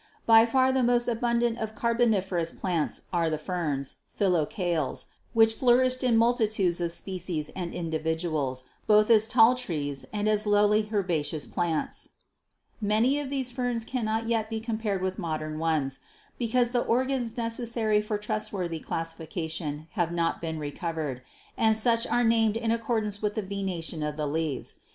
By far the most abundant of Carboniferous plants are the 'Ferns/ Fili cales, which flourished in multitudes of species and indi viduals, both as tall trees and as lowly herbaceous plants. Fig 37 — VeCxETation of Carboniferous Period. HISTORICAL GEOLOGY 221 Many of these ferns cannot yet be compared with modern 'ones, because the organs necessary for trustworthy classi fication have not been recovered, and such are named in accordance with the venation of the leaves.